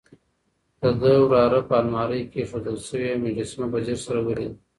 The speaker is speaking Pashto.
د ده وراره په المارۍ کې اېښودل شوې مجسمه په ځیر سره ولیده.